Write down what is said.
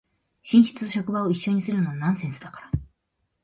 寝室と職場を一緒にするのはナンセンスだから